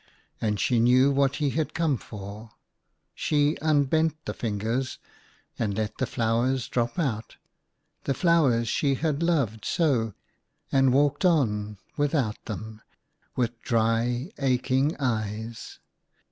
And she knew what he had come for : she unbent the fingers, and let the flowers drop out, the flowers she had loved so, and walked on without them, with dry, aching eyes.